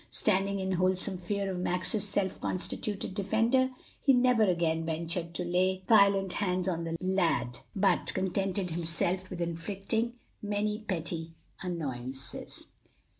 Standing in wholesome fear of Max's self constituted defender, he never again ventured to lay violent hands on the lad, but contented himself with inflicting many petty annoyances.